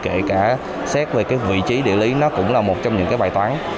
kể cả xét về cái vị trí địa lý nó cũng là một trong những cái bài toán